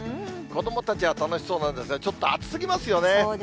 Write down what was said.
子どもたちは楽しそうなんですが、ちょっと暑すぎますよね。